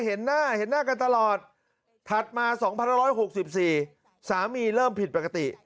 เห็นหน้าเห็นหน้ากันตลอดถัดมา๒๑๖๔สามีเริ่มผิดปกติ